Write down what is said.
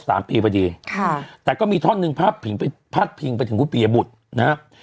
ครบ๓ปีไปดีแต่ก็มีท่อนหนึ่งพาดพิงไปถึงคุณปียบุตรนะครับ